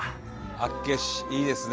厚岸いいですね。